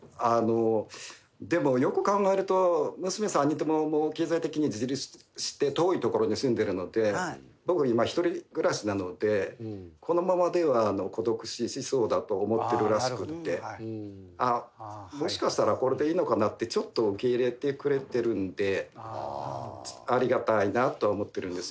でもよく考えると娘３人とも経済的に自立して遠い所に住んでるので僕今一人暮らしなのでこのままでは孤独死しそうだと思ってるらしくってもしかしたらこれでいいのかなってちょっと受け入れてくれてるんでありがたいなとは思ってるんですけどね。